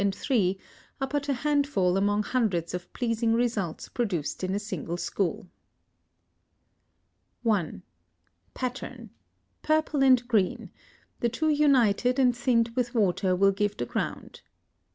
and III. are but a handful among hundreds of pleasing results produced in a single school. 1. Pattern. Purple and green: the two united and thinned with water will give the ground.